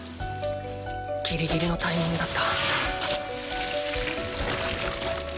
ギリギリのタイミングだった。